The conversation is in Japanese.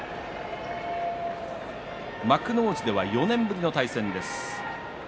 幕内では４年ぶりの対戦になります。